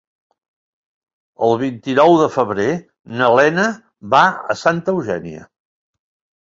El vint-i-nou de febrer na Lena va a Santa Eugènia.